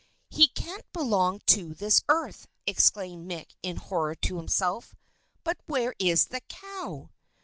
"He can't belong to this earth," exclaimed Mick in horror to himself. "But where is the cow?"